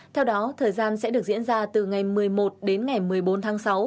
theo đó thời gian sẽ được diễn ra từ ngày một mươi một đến ngày một mươi bốn tháng sáu